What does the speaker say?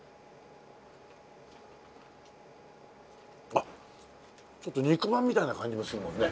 あっちょっと肉まんみたいな感じもするもんね。